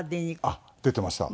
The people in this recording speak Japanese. あっ出てました。